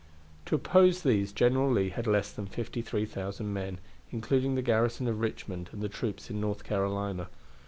To oppose these General Lee had less than 53,000 men, including the garrison of Richmond and the troops in North Carolina.